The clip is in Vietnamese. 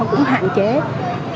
không phải là một cái tình trạng